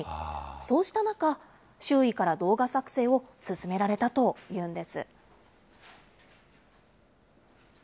そうした中、周囲から動画作成を勧められたというんです。